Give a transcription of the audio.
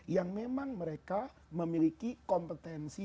yang memang mereka memiliki kompetensi